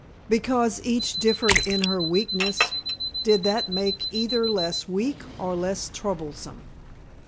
Because each differed in her weakness, did that make either less weak or less troublesome?